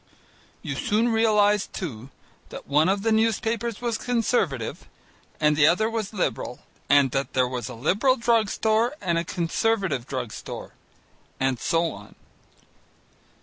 You soon realized too that one of the newspapers was Conservative and the other was Liberal, and that there was a Liberal drug store and a Conservative drug store, and so on.